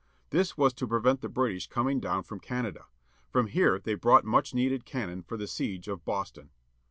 This was to pre vent the British coming down from Canada. From here they brought much needed cannon for the siege of Boston.